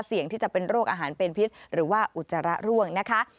เสี่ยงที่จะเป็นโรคอาหารเป็นพิษหรือว่าอุจจาระร่วงนะคะ